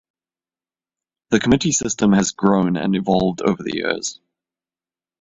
The committee system has grown and evolved over the years.